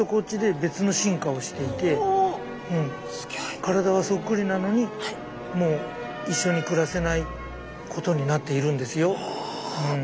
体はそっくりなのにもう一緒に暮らせないことになっているんですよ。